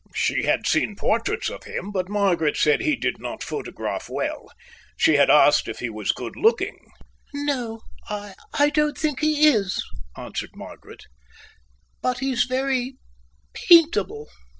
She had seen portraits of him, but Margaret said he did not photograph well. She had asked if he was good looking. "No, I don't think he is," answered Margaret, "but he's very paintable."